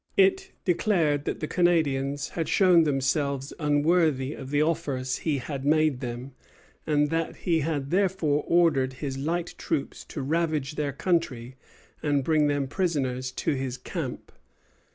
It declared that the Canadians had shown themselves unworthy of the offers he had made them, and that he had therefore ordered his light troops to ravage their country and bring them prisoners to his camp.